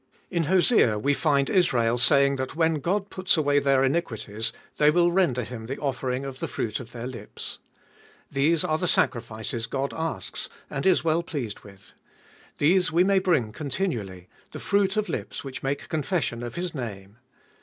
In Hosea we find Israel saying that when 534 Ebe iboltest of ail God puts away their iniquities, they will render Him the offering of the fruit of their lips. These are the sacrifices God asks and is well pleased with. These we may bring continually — the fruit of lips which make confession of His name.